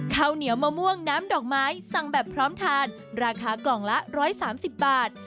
ข้าวเหนียวมะม่วงน้ำดอกไม้สั่งแบบพร้อมทานราคากล่องละ๑๓๐บาท